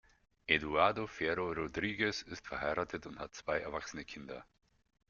Eduardo Ferro Rodrigues ist verheiratet und hat zwei erwachsene Kinder.